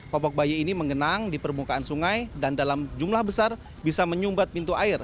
popok bayi ini mengenang di permukaan sungai dan dalam jumlah besar bisa menyumbat pintu air